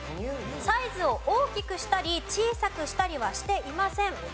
サイズを大きくしたり小さくしたりはしていません。